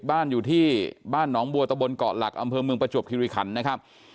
บ้านอยู่ที่บ้านหนองบัวตะบนเกาะหลักอำเภอเมืองประจวบคิริขันนะครับ